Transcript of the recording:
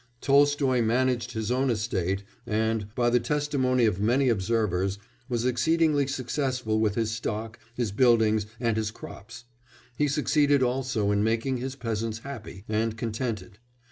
Tolstoy managed his own estate and, by the testimony of many observers, was exceedingly successful with his stock, his buildings, and his crops; he succeeded also in making his peasants happy and contented.